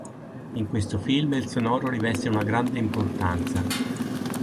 In questo film il sonoro riveste una grande importanza.